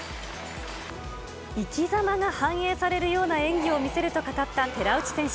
生きざまが反映されるような演技を見せると語った寺内選手。